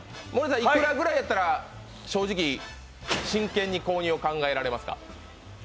いくらぐらいやったら正直、真剣に購入を考えられますか？